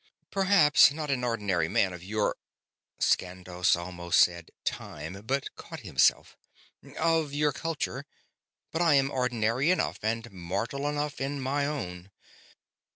"Perhaps not an ordinary man of your ..." Skandos almost said "time," but caught himself "... of your culture, but I am ordinary enough and mortal enough in my own."